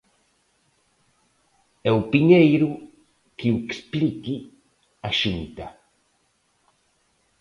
E o Piñeiro que o explique a Xunta.